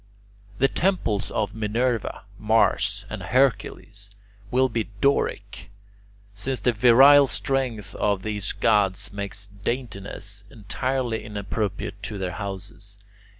The temples of Minerva, Mars, and Hercules, will be Doric, since the virile strength of these gods makes daintiness entirely inappropriate to their houses.